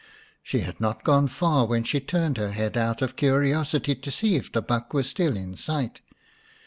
She had not gone far when she turned her head out of curiosity to see if the buck were still in sight.